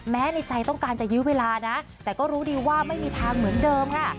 ในใจต้องการจะยื้อเวลานะแต่ก็รู้ดีว่าไม่มีทางเหมือนเดิมค่ะ